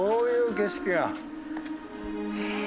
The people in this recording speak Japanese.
へえ。